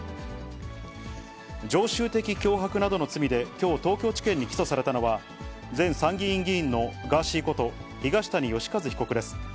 常習的脅迫などの罪できょう、東京地検に起訴されたのは、前参議院議員のガーシーこと東谷義和被告です。